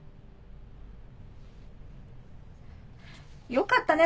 よかったね